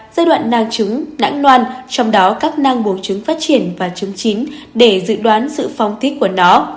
giai đoạn nang trứng nãng noan trong đó các nang bổ trứng phát triển và trứng chín để dự đoán sự phong thích của nó